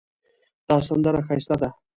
دا سندره ښایسته ده